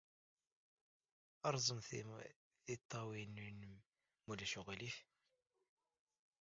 Rẓem tiṭṭawin-nnem, ma ulac aɣilif.